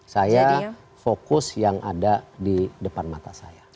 saya fokus yang ada di depan mata saya